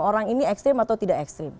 orang ini ekstrim atau tidak ekstrim